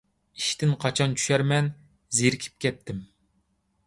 ئىشتىن قاچان چۈشەرمەن، زېرىكىپ كەتتىم.